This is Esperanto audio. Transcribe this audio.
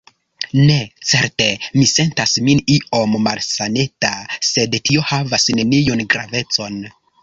Ne; certe mi sentas min iom malsaneta; sed tio havas neniun gravecon.